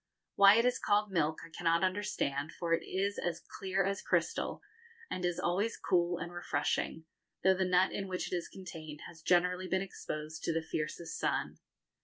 Why it is called milk I cannot understand, for it is as clear as crystal, and is always cool and refreshing, though the nut in which it is contained has generally been exposed to the fiercest sun.